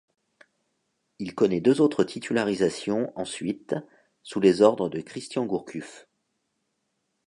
Il connaît deux autres titularisations ensuite sous les ordres de Christian Gourcuff.